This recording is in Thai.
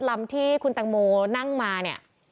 ลำที่คุณตังโมนั่งมาเนี่ย